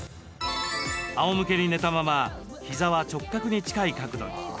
あおむけに寝たまま膝は直角に近い角度に。